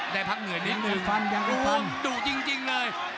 ได้พักเหงื่อนิดนึงครับดูฟังดูจริงเลย